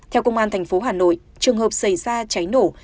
theo công an thành phố hà nội trường hợp xảy ra cháy nổ